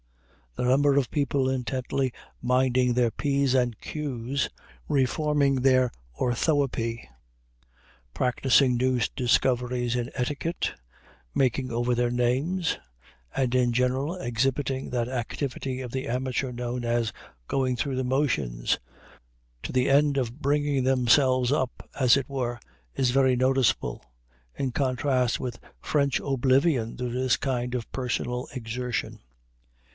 The number of people intently minding their P's and Q's, reforming their orthoepy, practicing new discoveries in etiquette, making over their names, and in general exhibiting that activity of the amateur known as "going through the motions" to the end of bringing themselves up, as it were, is very noticeable in contrast with French oblivion to this kind of personal exertion.